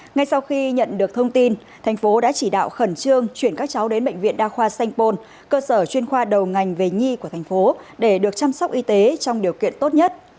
ngay sau khi nhận được thông tin thành phố đã chỉ đạo khẩn trương chuyển các cháu đến bệnh viện đa khoa sanh pôn cơ sở chuyên khoa đầu ngành về nhi của thành phố để được chăm sóc y tế trong điều kiện tốt nhất